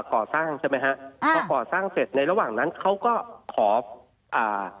ก่อสร้างใช่ไหมฮะค่ะพอก่อสร้างเสร็จในระหว่างนั้นเขาก็ขออ่า